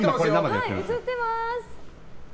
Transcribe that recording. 映ってますよ。